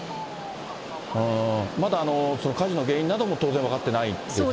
まだ火事の原因なども当然分かってないっていう。